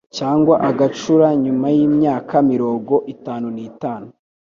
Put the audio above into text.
cyangwa agacura nyuma y'imyaka mirogo itanu nitanu